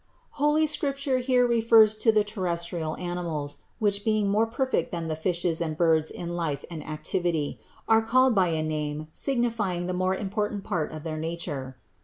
Holy Scripture here refers to the terrestrial animals, which being more perfect than the fishes and birds in life and activity, are called by a name signifying the more important part of their nature.